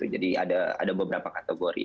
jadi ada beberapa kategori